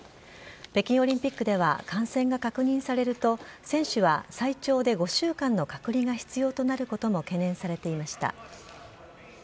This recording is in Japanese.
北京オリンピックでは感染が確認されると、選手は最長で５週間の隔離が必要となることも懸念されていました。